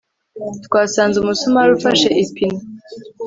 twasanze umusumari ufashe ipine